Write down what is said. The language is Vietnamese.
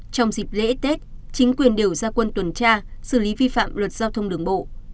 trong dịp lễ tết chính quyền đều ra quân tuần tra xử lý vi phạm luật giao thông đường bộ